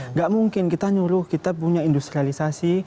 nggak mungkin kita nyuruh kita punya industrialisasi